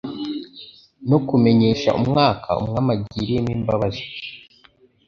no "kumenyesha umwaka Umwami agiriyemo imbabazi'."